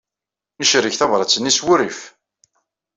Icerreg tabṛat-nni s werrif.